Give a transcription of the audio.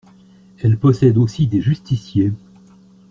Elle possède aussi des justiciers.